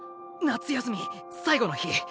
夏休み最後の日。